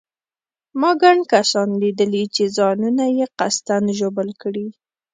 ما ګڼ کسان لیدلي چې ځانونه یې قصداً ژوبل کړي.